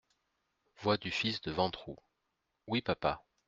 Voix du fils de Ventroux .— Oui, papa.